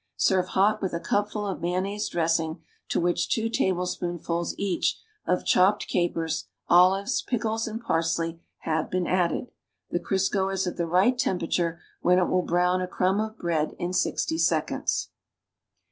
Serve hot with a cupful of mayonnaise dressing to which two tablespoonfuls, each, of chopped capers, olives, pickles and parsley have been added. The Crisco is at the right tem perature when it will brown a crumb of bread in GO seconds.